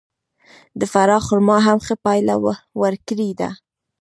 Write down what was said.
د فراه خرما هم ښه پایله ورکړې ده.